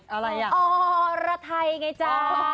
ออออระไทยไงจ้ะ